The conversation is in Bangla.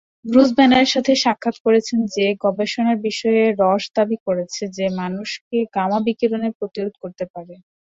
ব্রুস ব্যানারের সাথে সাক্ষাত করেছেন যে গবেষণার বিষয়ে রস দাবি করেছে যে মানুষকে গামা বিকিরণের প্রতিরোধ করতে পারে।